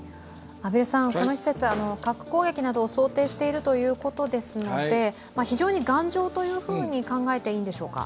この施設は核攻撃などを想定しているということですので非常に頑丈と考えていいんでしょうか？